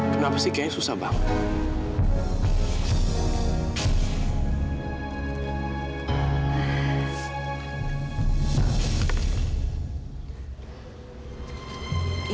kenapa sih kayaknya susah banget